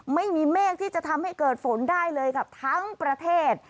ไม่มีเมฆที่จะทำให้เกิดฝนได้เลยกับทั้งประเทศ